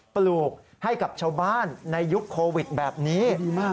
ปลูกให้กับชาวบ้านในยุคโควิดแบบนี้